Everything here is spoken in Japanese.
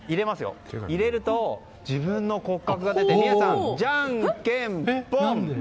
入れると、自分の骨格が出て宮司さん、じゃんけんぽん！